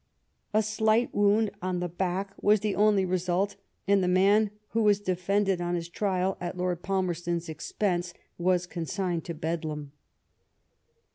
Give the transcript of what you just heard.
A slight wound on the back was the only result, and the man, who was defended on his trial at Lord Palmerston's expense, wa^ consigned to Bedlam.